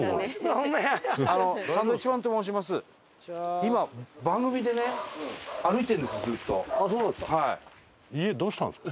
今番組でね歩いてるんですずっと。